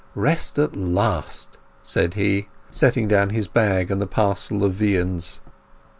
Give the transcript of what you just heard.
"Rest at last!" said he, setting down his bag and the parcel of viands.